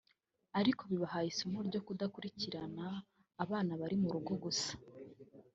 ariko bibahaye isomo ryo kudakurikirana abana bari mu rugo gusa